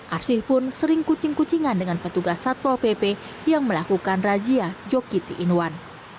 arsih pun sering kucing kucingan dengan petugas satpol pp yang melakukan razia joki tiga in satu